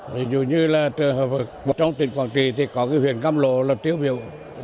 vì dù như là trong tỉnh quảng trị thì có cái huyện căm lộ là tiêu biểu